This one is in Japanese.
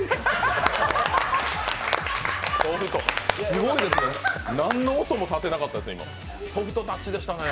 すごいですね、何の音も立てなかったですね。